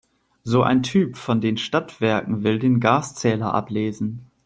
So ein Typ von den Stadtwerken will den Gaszähler ablesen.